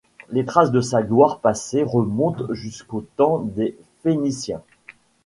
Les traces de sa gloire passée remontent jusqu'au temps des Phéniciens.